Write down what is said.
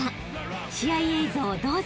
［試合映像をどうぞ］